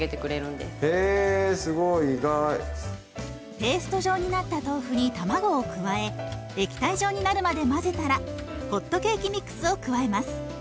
ペースト状になった豆腐に卵を加え液体状になるまで混ぜたらホットケーキミックスを加えます。